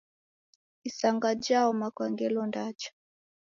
Isanga jaoma kwa ngelo ndacha.